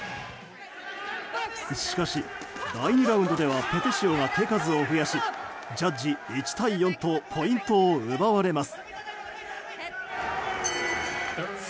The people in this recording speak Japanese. しかし、第２ラウンドではペテシオが手数を増やしジャッジ１対４とポイントを奪われます。